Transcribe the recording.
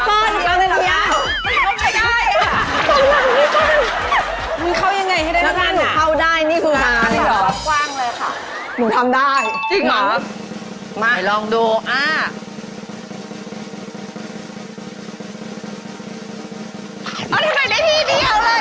อ๋อทำไมได้ที่เดียวเลยอ่ะ